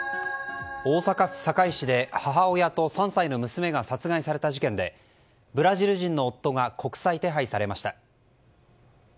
大阪府堺市で母親と３歳の娘が殺害された事件でブラジル人の夫が国際手配されました。